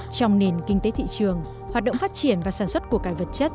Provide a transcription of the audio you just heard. trong nền kinh tế thị trường hoạt động phát triển và sản xuất của cải vật chất